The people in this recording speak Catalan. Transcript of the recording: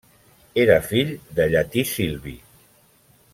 Era fill de Llatí Silvi.